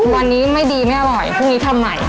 วันนี้ไม่ดีไม่อร่อยพรุ่งนี้ทำใหม่